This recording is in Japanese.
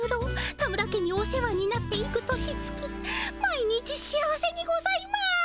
田村家にお世話になって幾年月毎日幸せにございます？